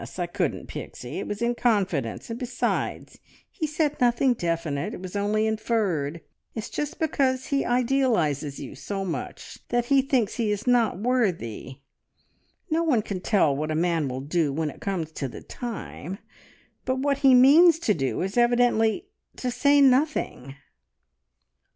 I couldn't, Pixie! It was in confidence, and besides, he said nothing definite. It was only inferred. It's just because he idealises you so much that he thinks he is not worthy. No one can tell what a man will do when it comes to the time, but what he means to do is evidently to say nothing!"